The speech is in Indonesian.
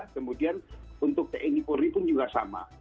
kemudian untuk tni polri pun juga sama